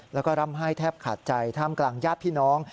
แล้วก็ร่ำไห้แทบขาดใจท่ามกลางญาติพี่น้อง